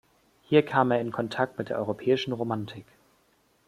Hier kam er in Kontakt mit der europäischen Romantik.